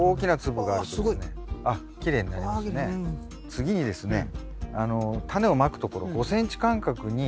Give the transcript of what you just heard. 次にですねタネをまくところ５ｃｍ間隔に。